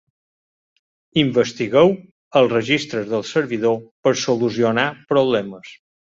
Investigueu els registres del servidor per solucionar problemes.